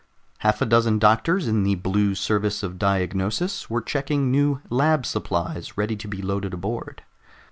Half a dozen doctors in the Blue Service of Diagnosis were checking new lab supplies ready to be loaded aboard.